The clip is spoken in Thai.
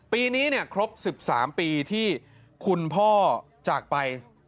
ปีนี้ครบ๑๓ปีที่คุณพ่อจากไป